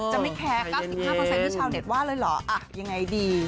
จะไม่แคร์๙๕ที่ชาวเน็ตว่าเลยเหรอยังไงดี